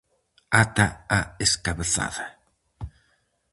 Ata a escabezada.